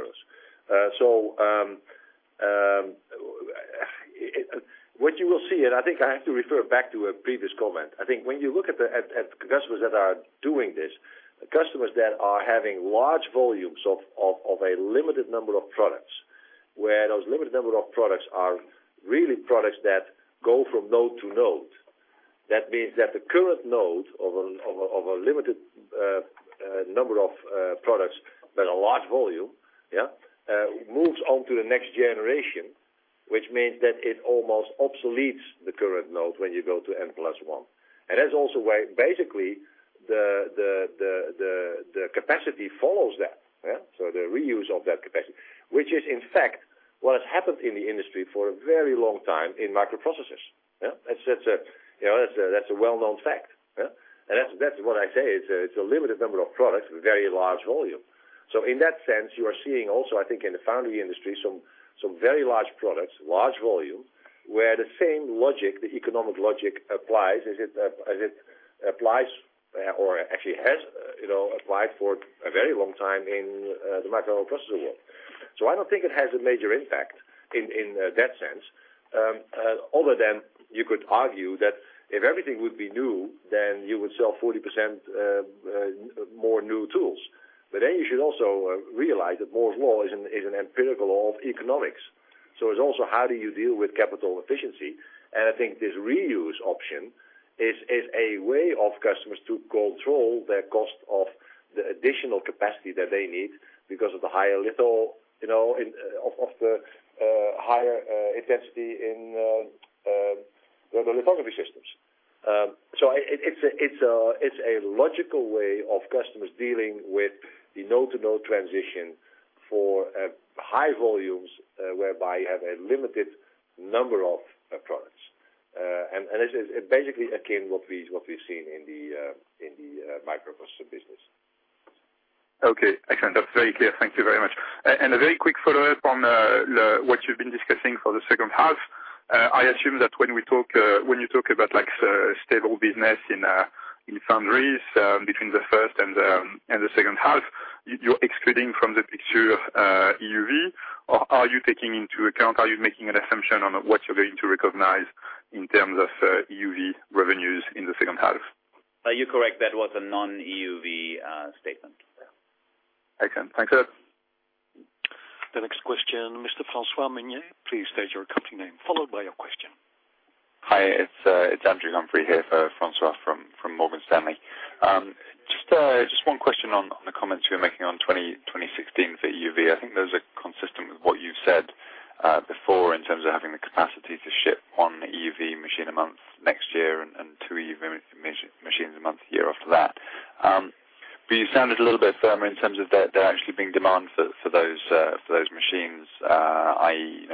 What you will see, and I think I have to refer back to a previous comment. I think when you look at customers that are doing this, customers that are having large volumes of a limited number of products, where those limited number of products are really products that go from node to node. That means that the current node of a limited number of products but a large volume, moves on to the next generation, which means that it almost obsoletes the current node when you go to N+1. That's also why basically the capacity follows that. The reuse of that capacity, which is in fact what has happened in the industry for a very long time in microprocessors. That's a well-known fact. That's what I say, it's a limited number of products with very large volume. In that sense, you are seeing also, I think in the foundry industry, some very large products, large volume, where the same logic, the economic logic applies as it applies or actually has applied for a very long time in the microprocessor world. I don't think it has a major impact in that sense. Other than you could argue that if everything would be new, you would sell 40% more new tools. You should also realize that Moore's Law is an empirical law of economics. It's also how do you deal with capital efficiency? I think this reuse option is a way of customers to control their cost of The additional capacity that they need because of the higher level of the higher intensity in the lithography systems. It's a logical way of customers dealing with the node-to-node transition for high volumes, whereby you have a limited number of products. It's basically, again, what we've seen in the micro customer business. Okay. Excellent. That's very clear. Thank you very much. A very quick follow-up on what you've been discussing for the second half. I assume that when you talk about stable business in foundries between the first and the second half, you're excluding from the picture EUV, or are you taking into account, are you making an assumption on what you're going to recognize in terms of EUV revenues in the second half? You're correct. That was a non-EUV statement. Excellent. Thanks. The next question, Mr. Francois Meunier, please state your company name, followed by your question. Hi, it's Andrew Humphrey here for Francois from Morgan Stanley. Just one question on the comments you were making on 2016 EUV. I think those are consistent with what you said before in terms of having the capacity to ship one EUV machine a month next year and two EUV machines a month, a year after that. You sounded a little bit firmer in terms of there actually being demand for those machines, i.e.,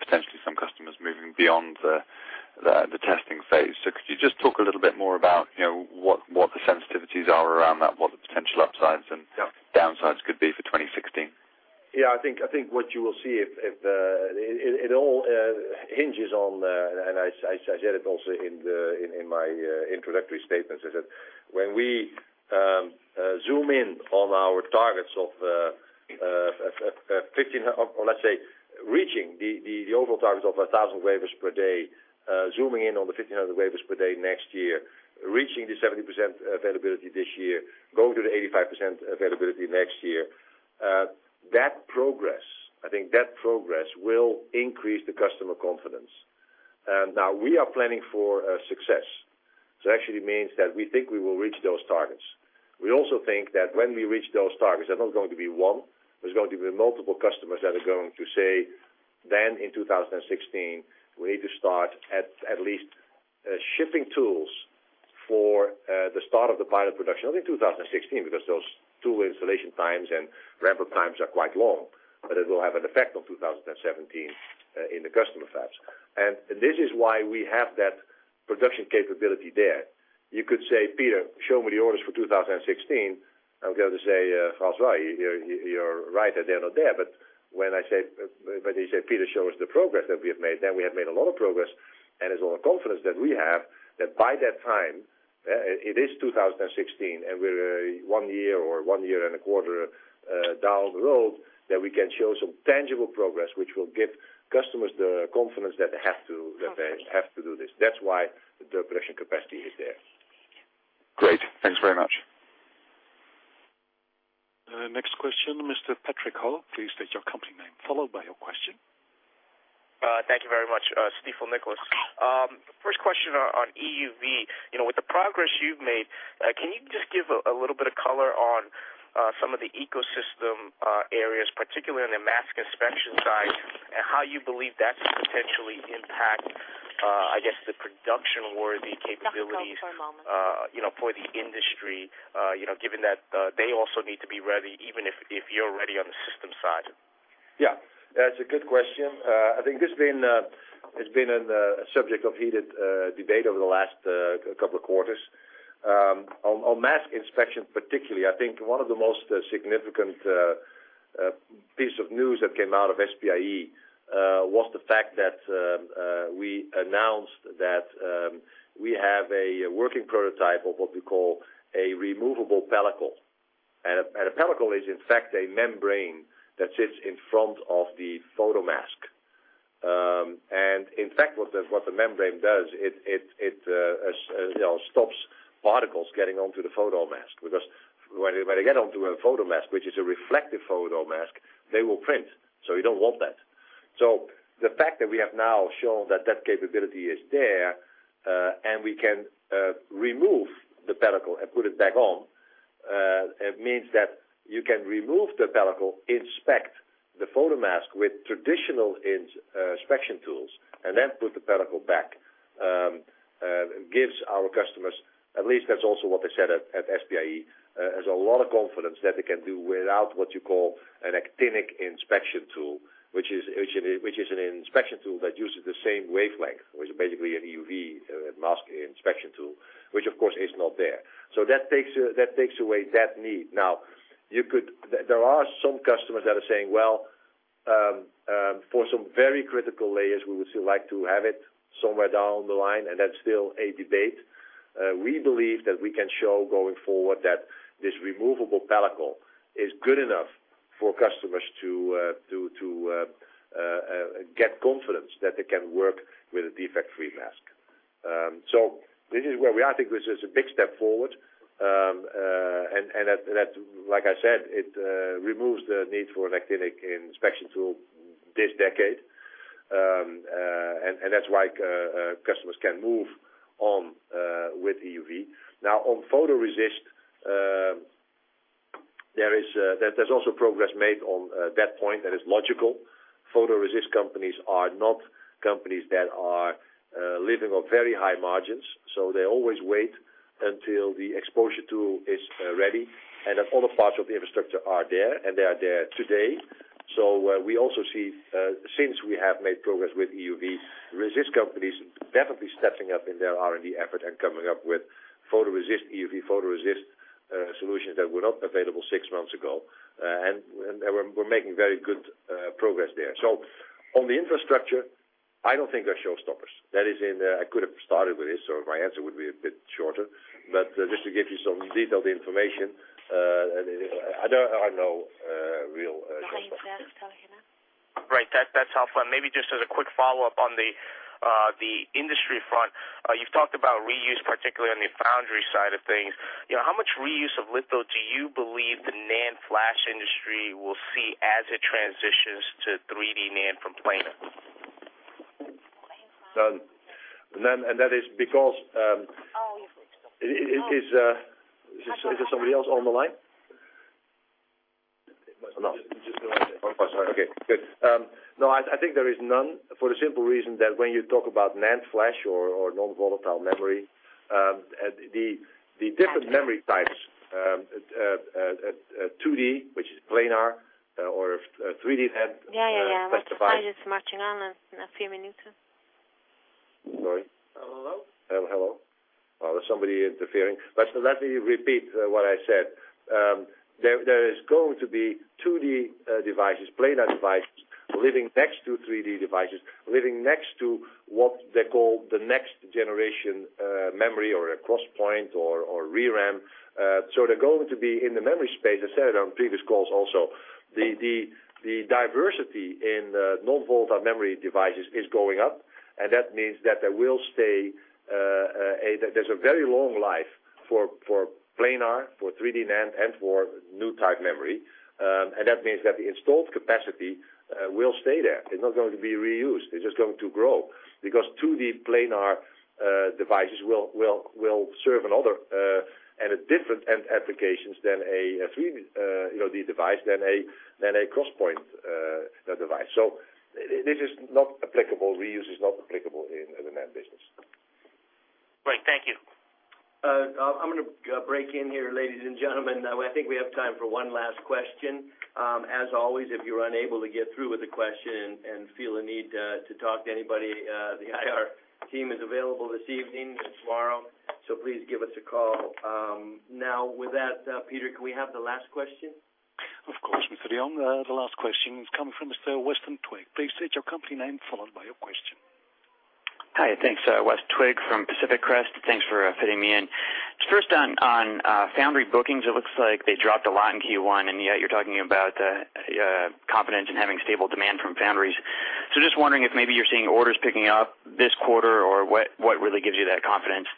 potentially some customers moving beyond the testing phase. Could you just talk a little bit more about what the sensitivities are around that, what the potential upsides and downsides could be for 2016? Yeah, I think what you will see, it all hinges on, and I said it also in my introductory statements, is that when we zoom in on our targets of 1,500, or let's say reaching the overall targets of 1,000 wafers per day, zooming in on the 1,500 wafers per day next year, reaching the 70% availability this year, going to the 85% availability next year. That progress, I think that progress will increase the customer confidence. Now we are planning for success. It actually means that we think we will reach those targets. We also think that when we reach those targets, there's not going to be one, there's going to be multiple customers that are going to say, then in 2016, we need to start at least shipping tools for the start of the pilot production, not in 2016, because those tool installation times and ramp-up times are quite long, but it will have an effect on 2017 in the customer fabs. This is why we have that production capability there. You could say, "Peter, show me the orders for 2016." I'm going to say, "Francois, you're right that they're not there." When you say, "Peter, show us the progress that we have made," then we have made a lot of progress, and it's all the confidence that we have that by that time, it is 2016, and we're one year or one year and a quarter down the road, that we can show some tangible progress, which will give customers the confidence that they have to do this. That's why the production capacity is there. Great. Thanks very much. Next question, Mr. Patrick Ho, please state your company name, followed by your question. Thank you very much. Stifel Nicolaus. First question on EUV. With the progress you've made, can you just give a little bit of color on some of the ecosystem areas, particularly on the mask inspection side, and how you believe that could potentially impact, I guess, the production-worthy capabilities for the industry, given that they also need to be ready even if you're ready on the system side? Yeah. That's a good question. I think this has been a subject of heated debate over the last couple of quarters. On mask inspection, particularly, I think one of the most significant piece of news that came out of SPIE was the fact that we announced that we have a working prototype of what we call a removable pellicle. A pellicle is in fact a membrane that sits in front of the photomask. Because when they get onto a photomask, which is a reflective photomask, they will print. You don't want that. The fact that we have now shown that that capability is there, and we can remove the pellicle and put it back on, it means that you can remove the pellicle, inspect the photomask with traditional inspection tools, and then put the pellicle back. It gives our customers, at least that's also what they said at SPIE, has a lot of confidence that they can do without what you call an actinic inspection tool, which is an inspection tool that uses the same wavelength. Which is basically an EUV mask inspection tool, which, of course, is not there. That takes away that need. Now, there are some customers that are saying, "Well, for some very critical layers, we would still like to have it somewhere down the line," and that's still a debate. We believe that we can show going forward that this removable pellicle is good enough for customers to get confidence that they can work with a defect-free mask. This is where we are. I think this is a big step forward. Like I said, it removes the need for an actinic inspection tool this decade. That's why customers can move on with EUV. Now, on photoresist, there's also progress made on that point that is logical. Photoresist companies are not companies that are living on very high margins, so they always wait until the exposure tool is ready and that all the parts of the infrastructure are there, and they are there today. So we also see, since we have made progress with EUV, resist companies definitely stepping up in their R&D effort and coming up with EUV photoresist solutions that were not available six months ago. We're making very good progress there. On the infrastructure, I don't think they're showstoppers. That is in, I could have started with this, so my answer would be a bit shorter. Just to give you some detailed information, I don't know real showstoppers. Right. That's helpful. Maybe just as a quick follow-up on the industry front. You've talked about reuse, particularly on the foundry side of things. How much reuse of litho do you believe the NAND flash industry will see as it transitions to 3D NAND from planar? None. That is because. Is there somebody else on the line? No? Just go ahead. Oh, sorry. Okay, good. No, I think there is none for the simple reason that when you talk about NAND flash or non-volatile memory, the different memory types, 2D, which is planar, or 3D NAND- Sorry. Hello? Hello. Well, there's somebody interfering. Let me repeat what I said. There is going to be 2D devices, planar devices, living next to 3D devices, living next to what they call the next-generation memory or a CrossPoint or ReRAM. They're going to be in the memory space. I said it on previous calls also. The diversity in non-volatile memory devices is going up, and that means that there's a very long life for planar, for 3D NAND, and for new type memory. That means that the installed capacity will stay there. It's not going to be reused. It's just going to grow because 2D planar devices will serve another and at different end applications than a 3D device, than a CrossPoint device. This is not applicable. Reuse is not applicable in the NAND business. Right. Thank you. I'm going to break in here, ladies and gentlemen. I think we have time for one last question. As always, if you're unable to get through with a question and feel a need to talk to anybody, the IR team is available this evening and tomorrow, so please give us a call. With that, Peter, can we have the last question? Of course, Mr. DeYoung. The last question is coming from Mr. Weston Twigg. Please state your company name, followed by your question. Hi. Thanks. Weston Twigg from Pacific Crest. Thanks for fitting me in. First on foundry bookings, it looks like they dropped a lot in Q1, and yet you're talking about confidence in having stable demand from foundries. Just wondering if maybe you're seeing orders picking up this quarter, or what really gives you that confidence?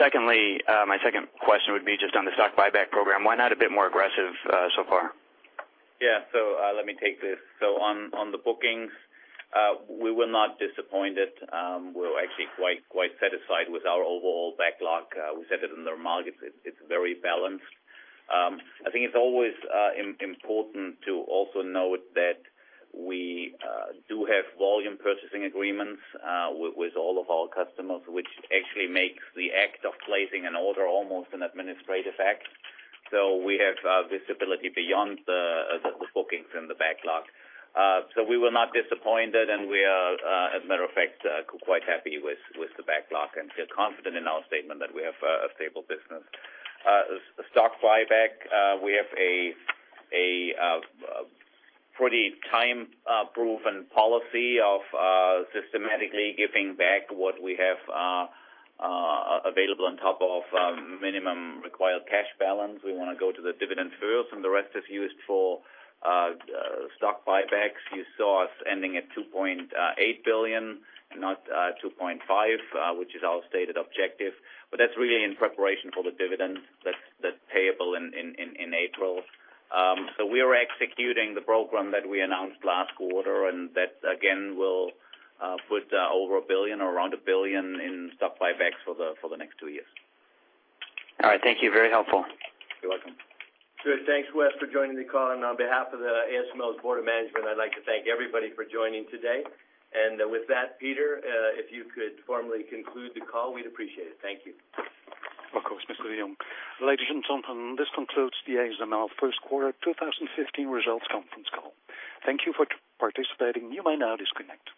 Secondly, my second question would be just on the stock buyback program. Why not a bit more aggressive so far? Yeah. Let me take this. On the bookings, we were not disappointed. We're actually quite satisfied with our overall backlog. We said it in the remarks. It's very balanced. I think it's always important to also note that we do have volume purchasing agreements with all of our customers, which actually makes the act of placing an order almost an administrative act. We have visibility beyond the bookings and the backlog. We were not disappointed, and we are, as a matter of fact, quite happy with the backlog and feel confident in our statement that we have a stable business. Stock buyback, we have a pretty time-proven policy of systematically giving back what we have available on top of minimum required cash balance. We want to go to the dividend first, and the rest is used for stock buybacks. You saw us ending at 2.8 billion and not 2.5 billion, which is our stated objective. That's really in preparation for the dividend that's payable in April. We are executing the program that we announced last quarter, and that, again, will put over 1 billion or around 1 billion in stock buybacks for the next two years. All right. Thank you. Very helpful. You're welcome. Good. Thanks, Wes, for joining the call. On behalf of the ASML's Board of Management, I'd like to thank everybody for joining today. With that, Peter, if you could formally conclude the call, we'd appreciate it. Thank you. Of course, Mr. DeYoung. Ladies and gentlemen, this concludes the ASML first quarter 2015 results conference call. Thank you for participating. You may now disconnect.